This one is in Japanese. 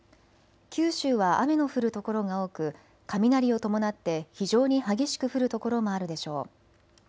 九州は雨の降る所が多く雷を伴って非常に激しく降る所もあるでしょう。